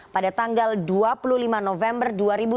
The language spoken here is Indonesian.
pada tanggal dua puluh lima november dua ribu dua puluh